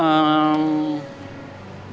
kalau kamu nelfon aku